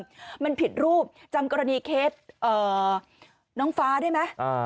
ดังเดิมมันผิดรูปจำกรณีเคสเอ่อน้องฟ้าได้ไหมอ่า